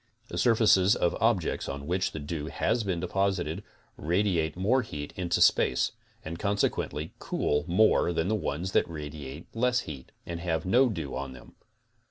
The surfaces of objects on which the dew has been deposited radiate more heat into space, and consequently cool more than the ones that radiate less heat and have no dew on them.